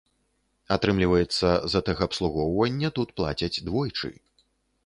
Атрымліваецца, за тэхабслугоўванне тут плацяць двойчы.